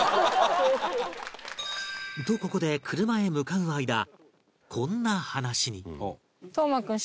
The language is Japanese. とここで車へ向かう間こんな話に